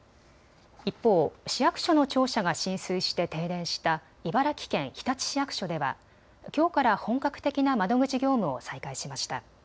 一方、市役所の庁舎が浸水して停電した茨城県日立市役所ではきょうから本格的な窓口業務を再開しました。